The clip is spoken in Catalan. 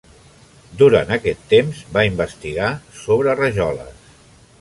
Durant aquest temps, va investigar sobre rajoles.